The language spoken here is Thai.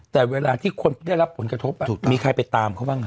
แต่เวลาที่คนได้รับผลกระทบมีใครไปตามเขาบ้าง